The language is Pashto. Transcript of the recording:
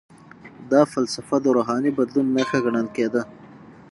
دا فلسفه د روحاني بدلون نښه ګڼل کیده.